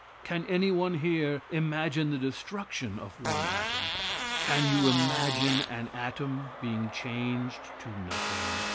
Can any one here imagine the destruction of one atom? Can you imagine an atom being changed to nothing?